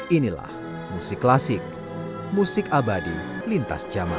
inilah musik klasik musik abadi lintas jaman